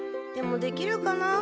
でもできるかな？